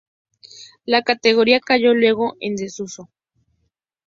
La categoría cayó luego en desuso.